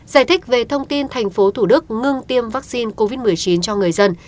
giải thích về thông tin tp hcm ngưng tiêm vaccine covid một mươi chín cho người dân